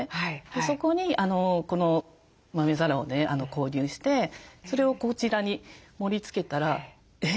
そこにこの豆皿をね購入してそれをこちらに盛りつけたらえっ？